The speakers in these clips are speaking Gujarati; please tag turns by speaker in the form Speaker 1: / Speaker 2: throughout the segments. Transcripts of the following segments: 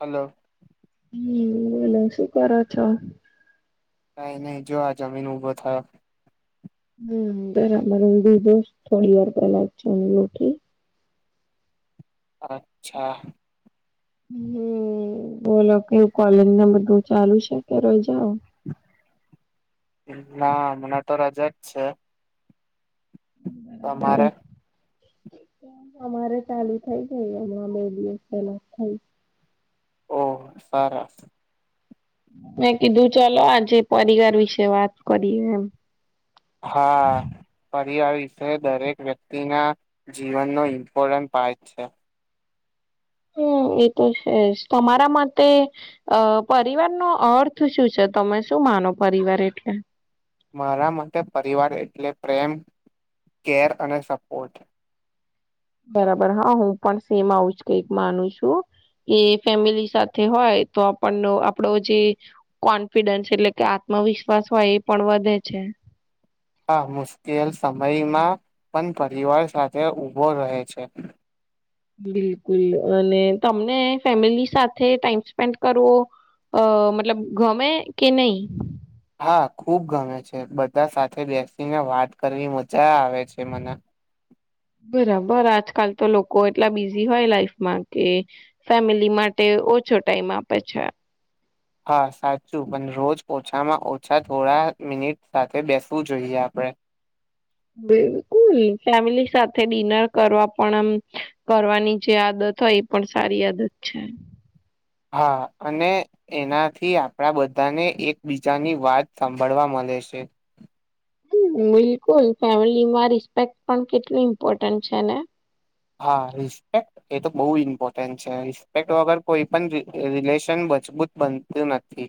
Speaker 1: હલો.
Speaker 2: હમ્મ, બોલો શું કરો છો?
Speaker 1: કઈ નહી, જો આ જમીને ઊભો થયો.
Speaker 2: હમ્મ, બરાબર, ઉભી બસ થોડી વાર પેલા જ જમીને ઉઠી.
Speaker 1: અચ્છા.
Speaker 2: હમ્મ્મ, બોલો કે કોલેજના બધું ચાલુ છે કે રજાઓ?
Speaker 1: ના, હમણાં તો રજા જ છે.
Speaker 2: બરાબર
Speaker 1: તમારે?
Speaker 2: અમારે ચાલુ થઈ ગઈ હમણાં બે દિવસ પહેલા થઇ.
Speaker 1: ઓ, સારા.
Speaker 2: મેં કીધું ચાલો આજે પરિવાર વિશે વાત કરીએ એમ.
Speaker 1: હા, પ રિવાર વિષય દરેક વ્યક્તિના જીવનનો ઇમ્પોર્ટન્ટ પાર્ટ છે.
Speaker 2: હમ્મ. એ તો છે જ, તમારા માટે અ પરિવાર નો અર્થ શું છે, તમે શું માનો પરિવાર એટલે?
Speaker 1: મારા માટે પરિવાર એટલે પ્રેમ, કેર અને સપોર્ટ.
Speaker 2: બરાબર, હા હું પણ સેમ આવું જ કઈક માનું છું. એ ફેમિલી સાથે હોય, તો આપળનો આપડો જે કોન્ફિડન્સ એટલે કે આ ત્મવિશ્વાસ હોય એ પણ વધે છે.
Speaker 1: હા, મુશ્કેલ સમયમાં પણ પરિવાર સાથે ઉભો રહે છે.
Speaker 2: બિલકુલ, અને તમને ફેમિલી સાથે ટાઈમ સ્પેન્ડ કરવો અ મતલબ ગમે કે નઈ?
Speaker 1: હા, ખુબ ગમે છે, બધા સાથે બેસીને વાત કરવી મજા આવે છે મને.
Speaker 2: પણ આજકાલ તો લોકો એટલા બિઝી હોય લાઈફમાં, કે ફેમિલી માટે ઓછો ટાઈમ આપે છે.
Speaker 1: હા સાચું, પણ રોજ ઓછામાં ઓછા થોડા મિનિટ સાથે બેસવું જોઈએ આપણેે.
Speaker 2: [inaudible] બિલકુલ, ફેમિલી સાથે ડિનર કરવા પણ અમ કરવાની જે આદત અથવા એ પણ સારી આદત છે.
Speaker 1: હા, અને એનાથી આપણા બધાને એકબીજાની વાત સાંભળવા મ ળે છે.
Speaker 2: બિલકુલ, ફેમિલીમાં રિસ્પેક્ટ પણ કેટલી ઇમ્પોર્ટન્ટ છે ને.
Speaker 1: હા રિસ્પેક્ટ, એ તો બઉ ઇમ્પોર્ટન્ટ છે, રિસ્પેક્ટ વગર કોઈ પણ રિ રિલેશન મજબૂત બનતું નથી.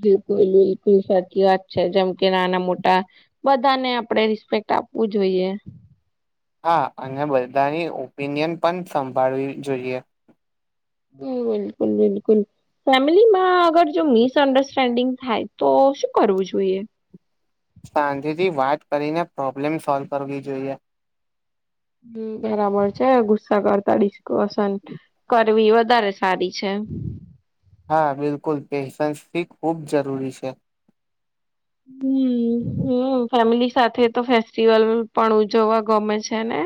Speaker 2: બિલકુલ, બિલકુલ સાચી વાત છે, જેમ કે નાના મોટા બધાને આપણે રિસ્પેક્ટ ટાપવું જોઈએ
Speaker 1: હા, અને બધાની ઓપિનિયન પણ સંભાળવી જોઈએ
Speaker 2: હ, બિલકુલ ફેમિલીમાં અગર જો મિસઅન્ડરસ્ટેન્ડિંગ થાય, તો શું કરવું જોઈએ
Speaker 1: શાંતિથી વાત કરીને પ્રોબ્લેમ સોલ કરવી જોઈએ
Speaker 2: હ, બરાબર છે ગુસ્સા કરતા ડિસ્કશન કરવી વધારે સારી છે [unintelligible]
Speaker 1: હા, બિલકુલ પેશન્સ ખૂબ જરૂરી છે
Speaker 2: હમ હમ, ફેમિલી સાથે તો ફેસ્ટિવલ પણ ઉજવવા ગમે છે ને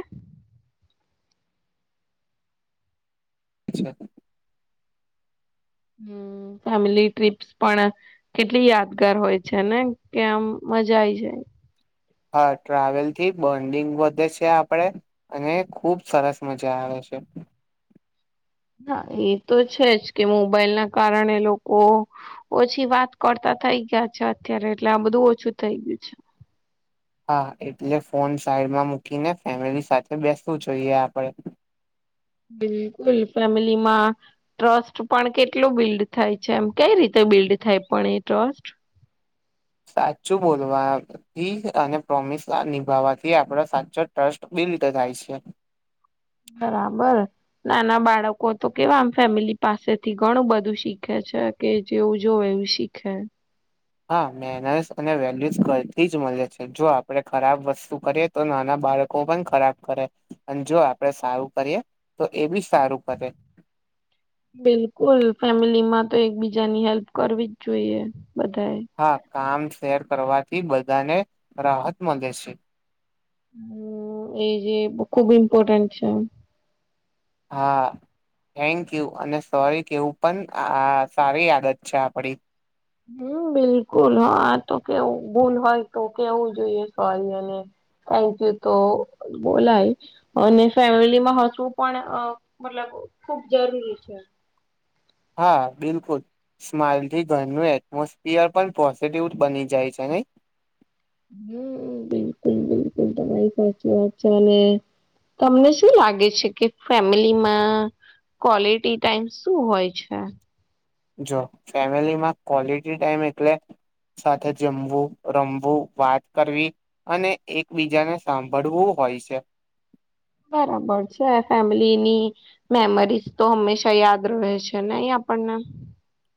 Speaker 1: હાચી વાત
Speaker 2: હું ફેમલી ટ્રીપ્સ પણ કેટલી યાદગાર હોય છે ને કે આમ મજા આઈ જાય
Speaker 1: હા, ટ્રાવેલ થી બોન્ડિંગ વધે છે આપડે અને ખુબ સરસ મજા આવે છે છે
Speaker 2: [unintelligible] હા એ તો છે જ કે મોબાઈલ ના કારણે લોકો ઓછી વાત કરતા હતા થઈ ગયા છે અત્યારે એટલે આ બધું ઓછું થઈ ગયું છે
Speaker 1: હા એટલે ફોન સાઈડમાં મૂકીને ફેમિલી સાથે બેસવું જોઈએ આપડે.
Speaker 2: હું. બિલકુલ. ફેમિલીમાં ટ્રસ્ટ પણ કેટલું બિલ્ડ થાય છે એમ. કઈ રીતે બિલ્ડ થાય પણ એ ટ્રસ્ટ
Speaker 1: સાચું બોલવાથી અને પ્રોમિસ નિભાવવાથી આપડો સાચો ટ્રસ્ટ બિલકુલ. રીતે થાય છે.
Speaker 2: [unintelligible] [inaudible] બરાબર નાના બાળકો તો કેવા ફેમિલી પાસેથી ઘણું બધું શીખે છે કે જેવું જોવે એવું શીખે.
Speaker 1: હા, મહેનસ અને વેલ્યુસ કલથી જ મલે છે. જો આપડે ખરાબ વસ્તુ કરીએ તો નાના બાળકો પણ ખરાબ કરે અને જો આપડે સારું કરીએ તો એ બી સારું કરે.
Speaker 2: બિલકુલ. ફેમિલીમાં તો એકબીજાની હેલ્પ કરવી જ જોઈએ બધાએ.
Speaker 1: હા કામ શેર કરવાથી બધાને રાહત મલે સે.
Speaker 2: હું એ જે ખુબ ઇમ્પોર્ટન્ટ છે.
Speaker 1: હા. થેન્કયુ અને સોરી કેવું પણ આ સારી આદત છે આપડી.
Speaker 2: હું બિલકુલ હા તો કેવું ભૂલ હોય તો કેવું જોઈએ સોરી અને થેન્કયુ તો બોલાય, અને ફેમિલીમાં હજુ પણ મતલબ ખુબ જરૂરી છે.
Speaker 1: હા બિલકુલ. સ્માઇલથી ઘરનું એટમોસ્ફિયર પણ પોઝિટિવ બની જાય છે નહીં.
Speaker 2: હું બિલકુલ બિલકુલ તમાઈ સાચી વાત છે અને તમને શું લાગે છે કે ફેમિલીમાં. ક્વોલિટી ટાઈમ શું હોય છે?
Speaker 1: જો ફેમિલીમાં ક્વોલિટી ટાઈમ એટલે સાથે જમવું રમવું વાત કરવી, અને એકબીજાને સાંભળવું હોય છે.
Speaker 2: [unintelligible] [inaudible] બરાબર છે ફેમિલીની, મેમરીઝ તો હંમેશા યાદ રહે છે નય પણ ને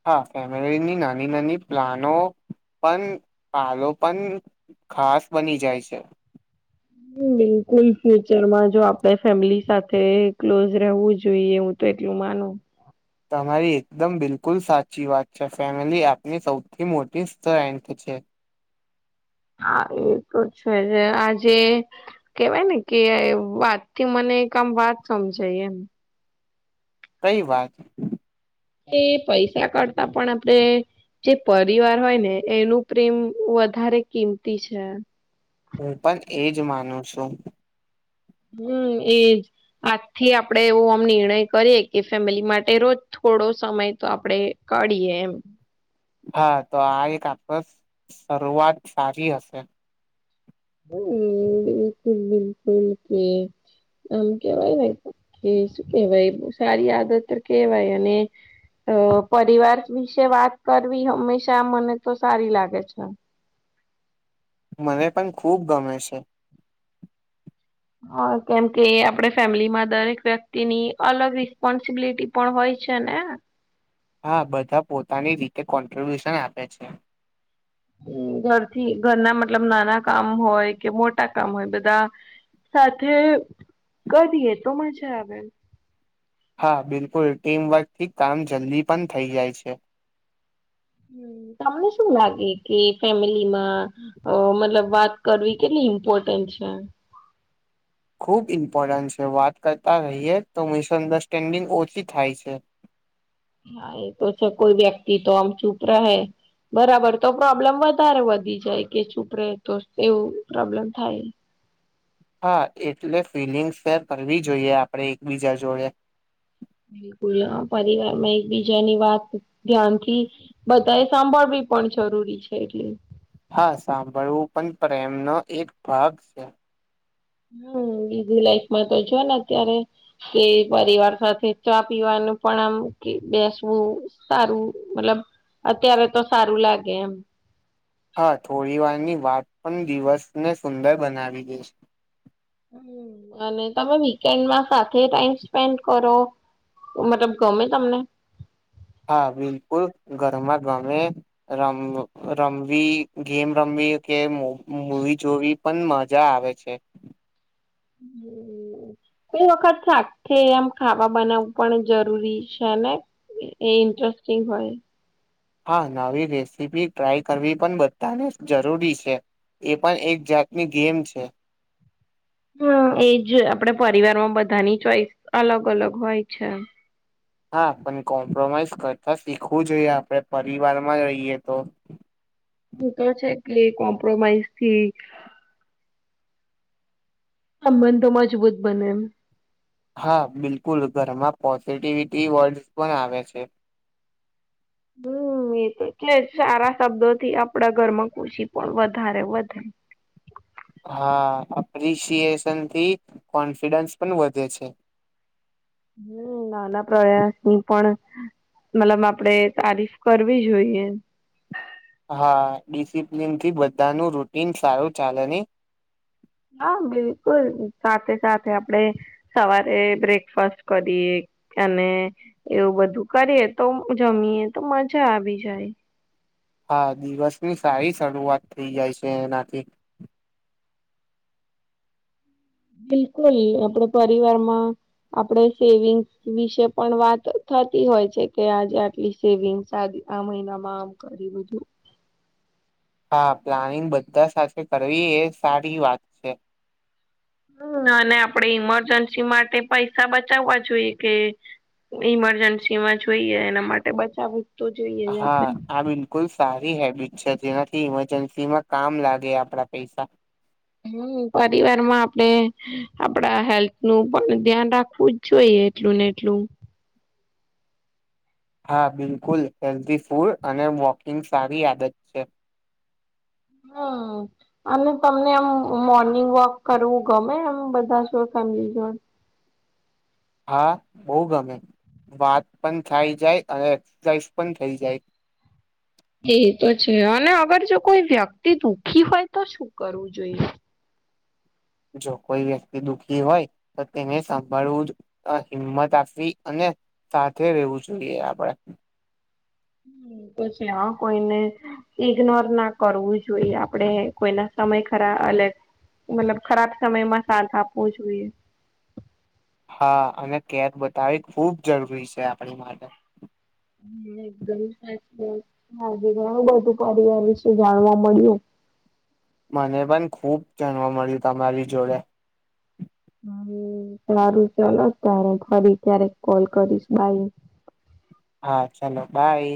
Speaker 1: હા ફેમિલી ની નાની નાની પ્લાનો પણ પાલો પણ ખાસ બની જાય છે.
Speaker 2: બિલકુલ ફ્યુચરમાં જો આપણે ફેમિલી સાથે ક્લોઝ રહેવું જોઈ એ હું તો એટલું માનું.
Speaker 1: તમારી એકદમ બિલકુલ સાચી વાત છે, ફેમિલી આપની સૌથી મોટી [unintelligible] ચેક
Speaker 2: હા એતો છેને આજે કેવાય ને કે વાત થી મને કામ હા, તો અમે જઈ એમ
Speaker 1: કઈ વાત
Speaker 2: એ પૈસા કરતા પણ આપડે જે પરિવાર હોય ને એનું પ્રેમ વધારે કિંમતી છે
Speaker 1: હું પણ એજ માનું છું
Speaker 2: હમ એજ આજથી આપણેે એવો આમ નિર્ણય કરીએ કે ફેમિલી માટે રોજ થોડો સમય તો આપણેે કાડીેમ
Speaker 1: હા તો આ એક આપસ શરૂઆત સારી હશે
Speaker 2: હમ બિલકુલ બિલકુલ કે આમ કેવાયય કે કેવાય સારી આદત કેવાય અને અ પરિવાર વિશે વાત કરવી હંમેશા મને તો સારી લાગે છે [inaudible]
Speaker 1: મને પણ ખૂબ ગમે છે
Speaker 2: હા કેમકે આપે ફેમિલીમાં દરેક વ્યક્તિની અલગ રિસ્પોન્સિબિલિટી પણ હોય છે ના
Speaker 1: હા બધા પોતાની રીતે કોન્ટ્રિબ્યુશન આપે છે
Speaker 2: હમ ઘરથી ઘરના મતલબ નાના કામ હોય કે મોટા કામ હોય બધા સાથે કરીએ તો મજા આવે
Speaker 1: હા બિલકુલ ટીમવર્કથી કામ જલ્દી પણ થઈ જાય છે
Speaker 2: તમને શું લાગે કે ફેમિલીમાં મતલબ વાત કરવી કેટલી ઇમ્પોર્ટન્ટ છે
Speaker 1: ખૂબ ઇમ્પોર્ટન્ટ છે વાત કરતા રહીએ તો મિસઅન્ડરસ્ટેન્ડિંગ ઓછી થાય છે
Speaker 2: હા એ તો છે કોઈ વ્યક્તિ તો આમ ચૂપ રહે બરાબર તો પ્રોબ્લેમ વધારે વધી જાય કે છૂપરે તો એવું પ્રોબ્લેમ થાય હ
Speaker 1: હા એટલે ફિલિંગ્ શેર કરવી જોઈએ આપણે એકબીજા જોડે
Speaker 2: બિલકુલ હ પરિવાર માં એકબીજાની વાત ધ્યાનથી બતાય સાંભળી પણ જરૂરી છે એટલે
Speaker 1: હા સાંભળવું પણ પ્રેમનો એક ભાગ છે
Speaker 2: હમ બીજીું લાઈફમાં તો છે ને અત્યારે કે પરિવાર સાથે ચા પીવાના પણ આમ બેસવું સારું મતલબ અત્યારે તો સારું લાગે એમ
Speaker 1: હા થોડી વારની વાત પણ દિવસને સુંદર બનાવી દઈ છે
Speaker 2: હ અને તમે વીકેન્ડમાં સાથે ટાઈમ સ્પેન્ડ કરો મતલબ ગમે તમને
Speaker 1: હા બિલકુલ ઘરમાં ગમે રમ રમવી ગેમ રમવી કે મુવી જોવી પણ મજા આવે છે
Speaker 2: હમ કોઈ વખત સા આમ ખાવા બનાવવું પણ જરૂરી છે ને એ ઇન્ટરેસ્ટિંગ હોય
Speaker 1: હા નવી રેસીપી ટ્રાય કરવી પણ બધાને જરૂરી છે એ પણ એક જાતની ગેમ છે
Speaker 2: હમ એજ આપડે પરિવારમાં બધાની ચોઈસ અલગ અલગ હોય છે
Speaker 1: હા પણ કોમ્પ્રોમાઈઝ કરતા શીખવું જોઈએ આપણે પરિવાર માં રહીએ તો
Speaker 2: હું તો છે કેટલે કોમ્પ્રોમાઈઝથી આબંધ તો મજબૂત બને એમ
Speaker 1: હા બિલકુલ ઘરમાં પોઝિટિવિટી વર્ડસ પણ આવે છે
Speaker 2: હલો એ તોટલે સારા શબ્દોથી આપડા ઘરમાં ખુશી પણ વધારે વધે [unintelligible]
Speaker 1: હા એપ્રિશિએશનથી કોન્ફિડન્સ પણ વધે છે
Speaker 2: હમ નાના પ્રયાસ ની પણ મલમ આપડે તારીફ કરવી જોઈએ
Speaker 1: હા ડિસિપ્લિનથી બધાનું રૂટીન સારું ચાલે નિહ
Speaker 2: હા બિલકુલ સાથે સાથે આપડે સવારે બ્રેકફાસ્ટ કરીએ અને એવું બધું કરીએ તો જમીયએ તો મજા આવી જાય
Speaker 1: હા દિવસની સારી શરૂઆત થઈ જાય છે એનાથી
Speaker 2: બિલકુલ આપડ પરિવારમાં આપડ સેવિંગ્સ વિશે પણ વાત થતી હોય છે કે આજે આટલી સેવિંગ્સ આવી આ મહિનામાં આમ કરી લિધું
Speaker 1: હા પ્લાનિંગ બધા સાથે કરવી એ સારી વાત છે
Speaker 2: હું અને આપણેે ઈમરજન્સી માટે પૈસા બચાવવા જોઈએ કે ઈમરજન્સી માં જોઈએ એના માટે બચાવી
Speaker 1: હા આ બિલકુલ સારી હેબિટ છે જેનાથી ઇમરજન્સીમાં કામ લાગે આપડા પૈસા
Speaker 2: હું પરિવાર માં આપણે આપડા હેલ્થ નું પણ ધ્યાન રાખવું જ જોઈએ એટલું ને એટલું
Speaker 1: હા બિલકુલ હેલ્ધી ફૂડ અને વોકિંગ સારી આદત છે
Speaker 2: [inaudible] હું અને તમને એમ મોર્નિંગ વોક કરવું ગમે એમ બધા જોતા હીજ
Speaker 1: હા બહુ ગમે વાત પણ થઈ જાય અને એક્સરસાઇઝ પણ થઈ જાય
Speaker 2: એ તો છે અને અગર જો કોઈ વ્યક્તિ દુઃખી હોય તો શું કરવું જોઈએ
Speaker 1: જો કોઈ વ્યક્તિ દુખી હોય તો તેને સાભળવું જ હિંમત આપવી અને સાથે રહેેવું જોઈએ આપડે
Speaker 2: હ પછી હ કોઈને ઈગ્નોર ના કરવું જોઈએ આપડે કોઈને સમય ખરા અલગ મતલબ ખરાબ સમયમાં સાથ આપવો જોઈએ
Speaker 1: હા અને કેફ બતાવી ખૂબ જરૂરી છે આપણી માટે
Speaker 2: હા ઘણું બધું પરિવાર વિશે જાણવા મળ્યું [inaudible]
Speaker 1: મને પણ ખુબ જાણવા મળ્યું તમારી જોડે
Speaker 2: હુ સારું ચલો તારે ફરી ત્યારે કોલ કરીશ બાઈ [inaudible]
Speaker 1: હા ચાલો બાય